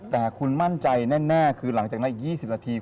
แต่คุณมั่นใจแน่คือหลังจากนั้นอีก๒๐นาที